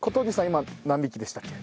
今何匹でしたっけ？